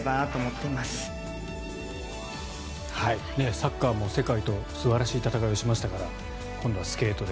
サッカーも世界と素晴らしい戦いをしましたから今度はスケートで。